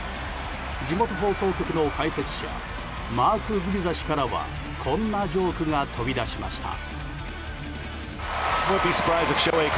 地元放送局の解説者マーク・グビザ氏からはこんなジョークが飛び出しました。